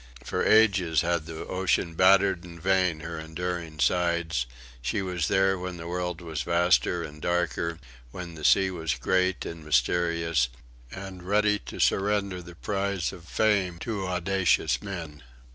For ages had the ocean battered in vain her enduring sides; she was there when the world was vaster and darker, when the sea was great and mysterious, and ready to surrender the prize of fame to audacious men.